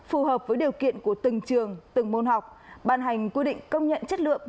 phù hợp với điều kiện của từng trường từng môn học ban hành quy định công nhận chất lượng